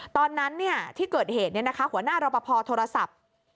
ตอนนั้นเนี่ยที่เกิดเหตุเนี่ยนะคะหัวหน้ารอปภโทรศัพท์